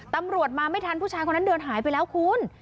ตำรวจมาไม่ทันผู้ชายคนนั้นเดินหายไปแล้วคุณ